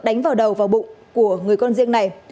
đánh vào đầu vào bụng của người con riêng này